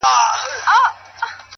پرمختګ د دوامداره هڅې محصول دی,